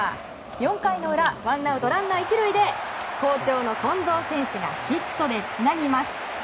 ４回の裏、ワンアウトランナー１塁で好調の近藤選手がヒットでつなぎます。